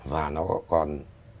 và nó còn